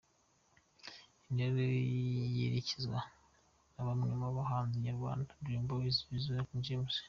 intero yirikizwa na bamwe mu bahanzi Nyarwanda ; Dream Boys, Zizou, King